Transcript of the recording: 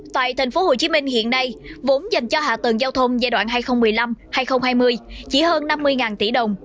tại tp hcm hiện nay vốn dành cho hạ tầng giao thông giai đoạn hai nghìn một mươi năm hai nghìn hai mươi chỉ hơn năm mươi tỷ đồng